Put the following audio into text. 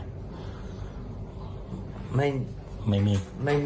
ก็ไม่มี